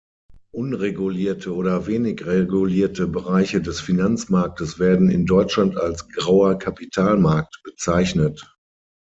Unregulierte oder wenig regulierte Bereiche des Finanzmarktes werden in Deutschland als Grauer Kapitalmarkt bezeichnet.